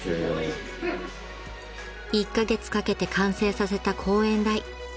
［１カ月かけて完成させた講演台］